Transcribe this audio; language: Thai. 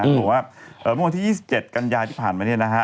เขาบอกว่าเมื่อวันที่๒๗กันยาที่ผ่านมาเนี่ยนะฮะ